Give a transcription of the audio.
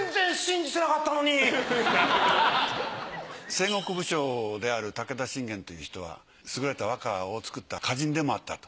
戦国武将である武田信玄という人は優れた和歌を作った歌人でもあったと。